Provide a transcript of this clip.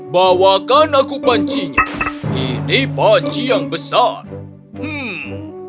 bawakan aku pancinya ini panci yang besar hmm